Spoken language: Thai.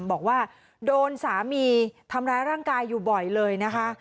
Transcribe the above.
บอกว่าโดนสามีทำร้ายร่างกายอยู่บ่อยเลยนะคะ